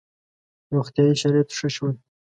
• روغتیايي شرایط ښه شول.